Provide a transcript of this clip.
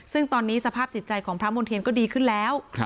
ซึ่งตอนนี้สภาพจิตใจของพระมณ์เทียนก็ดีขึ้นแล้ว